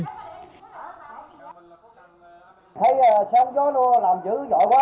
thấy sáng gió luôn làm dữ giỏi quá mà bây giờ mình phải lo dư chiếc hết chứ